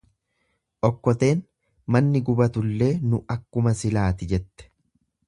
Okkoteen manni gubatullee nu akkuma silaati jette.